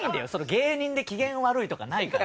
芸人で機嫌悪いとかないから。